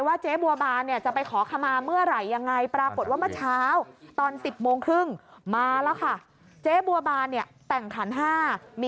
ว่าเจ๊บัวบานเนี้ยจะไปขอขมาเมื่อไหร่ยังไง